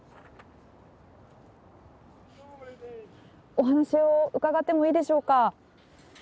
お話を伺ってもいいでしょうか。